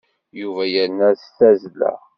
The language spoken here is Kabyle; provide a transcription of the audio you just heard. Yuba yerna deg tazzla.